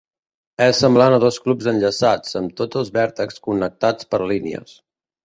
És semblant a dos cubs enllaçats, amb tots els vèrtexs connectats per línies.